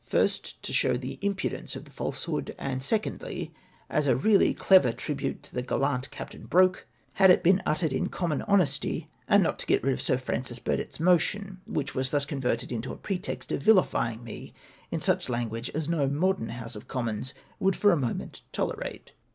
1st, to show the impudence of the falsehood, and 2ndly, as a really clever tribute to the gallant Captain Broke, had it been uttered in common honesty and not to get rid of Sir Francis Burdett's motion; which was thus converted into a pretext of vilifying me in such language as no modern House of Commons would for a moment tolerate.